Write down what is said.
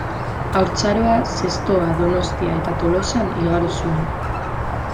Haurtzaroa Zestoa, Donostia eta Tolosan igaro zuen.